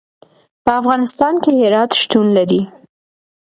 په افغانستان کې هرات شتون لري.